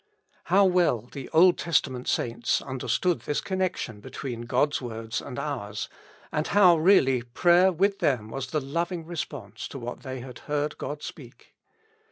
How well the Old Testament saints understood this connection between God's words and ours, and how really prayer with them was the loving response to what they had heard God speak